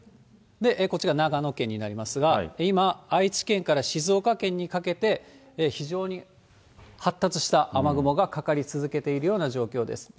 こっちが長野県になりますが、今、愛知県から静岡県にかけて、非常に発達した雨雲がかかり続けているような状況です。